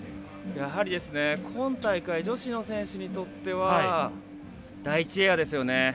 やはり今大会女子の選手にとっては第１エアですよね。